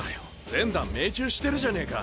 全弾命中してるじゃねえか。